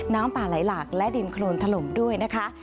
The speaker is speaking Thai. น้ำป่าไหลหลากและดินโครนถล่มด้วยนะคะ